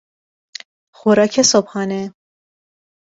خوراک صبحانه